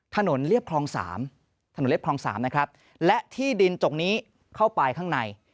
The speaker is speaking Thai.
เรียบคลอง๓ถนนเรียบคลอง๓นะครับและที่ดินตรงนี้เข้าไปข้างใน